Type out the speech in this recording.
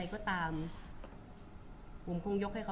คุณผู้ถามเป็นความขอบคุณค่ะ